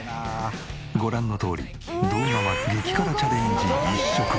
ご覧のとおり動画は激辛チャレンジ一色。